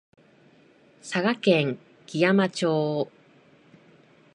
佐賀県基山町